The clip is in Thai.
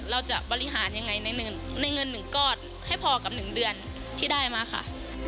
เราจะบริหารยังไงในเงิน๑ก้อนให้พอกับ๑เดือนที่ได้มาค่ะ